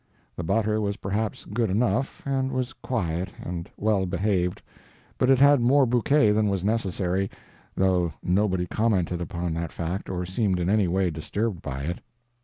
The butter was perhaps good enough, and was quiet and well behaved; but it had more bouquet than was necessary, though nobody commented upon that fact or seemed in any way disturbed by it.